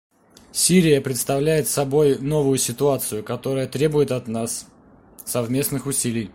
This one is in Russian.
Сирия представляет собой новую ситуацию, которая требует от всех нас совместных усилий.